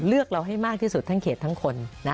เลือกเราให้มากที่สุดทั้งเขตทั้งคน